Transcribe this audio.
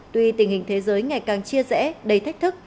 tuy tình hình thế giới ngày càng chia rẽ đầy thách thức